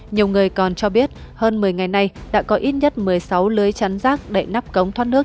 nhiều người còn cho biết hơn một mươi ngày nay đã có ít nhất một mươi sáu lưới chắn rác đậy nắp cống thoát nước